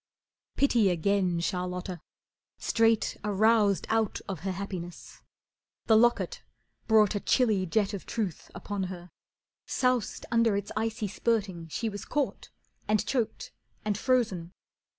Pity again Charlotta, straight aroused Out of her happiness. The locket brought A chilly jet of truth upon her, soused Under its icy spurting she was caught, And choked, and frozen.